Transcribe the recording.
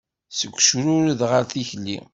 Seg ucrured ɣar tikli.